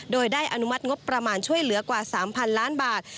โดยได้อนุมัติงบประมาณช่วยเหลือกว่า๓๐๐๐ล้านบาท